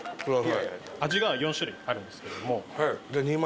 味が４種類あるんですけれども。